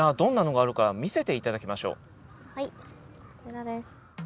はいこちらです。